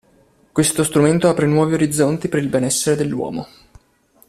Questo strumento apre nuovi orizzonti per il benessere dell'uomo.